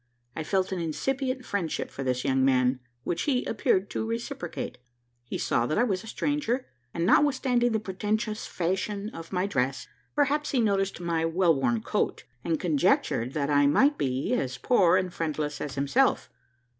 I felt an incipient friendship for this young man, which he appeared to reciprocate. He saw that I was a stranger; and notwithstanding the pretentious fashion of my dress, perhaps he noticed my well worn coat, and conjectured that I might be as poor and friendless as himself.